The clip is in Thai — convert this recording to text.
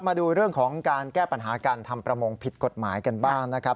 มาดูเรื่องของการแก้ปัญหาการทำประมงผิดกฎหมายกันบ้างนะครับ